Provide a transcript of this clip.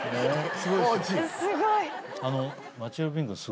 すごい。